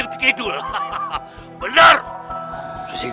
di dulur aing